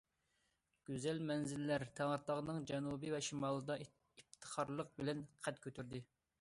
گۈزەل مەنزىرىلەر تەڭرىتاغنىڭ جەنۇبى ۋە شىمالىدا ئىپتىخارلىق بىلەن قەد كۆتۈردى.